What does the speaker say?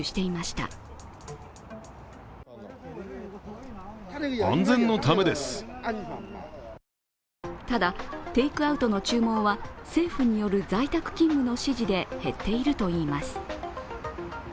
ただ、テークアウトの注文は政府による在宅勤務の指示で減っているといいます。